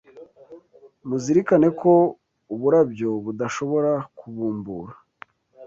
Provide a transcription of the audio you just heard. Muzirikane ko uburabyo budashobora kubumbura